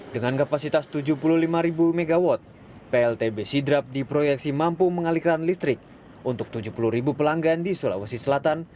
dengan kapasitas tujuh puluh lima mw pltb sidrap diproyeksi mampu mengalikan listrik untuk tujuh puluh ribu pelanggan di sulawesi selatan